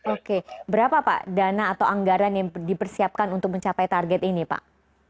oke berapa pak dana atau anggaran yang dipersiapkan untuk mencapai target ini pak